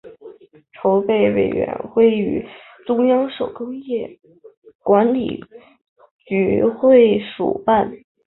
筹备委员会与中央手工业管理局合署办公。